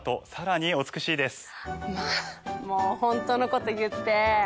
まぁもう本当のこと言って。